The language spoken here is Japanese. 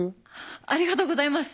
ありがとうございます！